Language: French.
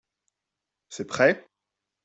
C'est prêt ?